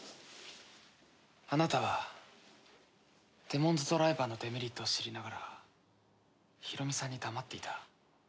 あなたはデモンズドライバーのデメリットを知りながらヒロミさんに黙っていた。